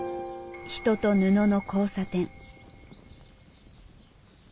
人と布の交差点。